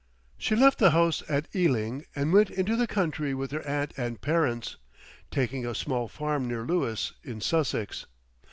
She left the house at Ealing and went into the country with her aunt and parents, taking a small farm near Lewes in Sussex.